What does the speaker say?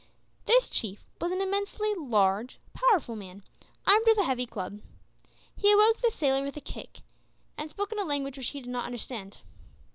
This chief was an immensely large powerful man, armed with a heavy club. He awoke the sailor with a kick, and spoke in a language which he did not understand.